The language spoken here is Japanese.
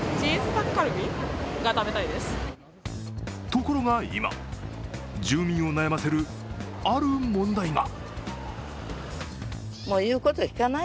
ところが今、住民を悩ませるある問題が。